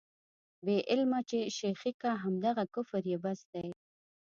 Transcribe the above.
بې علمه چې شېخي کا، همدغه کفر یې بس دی.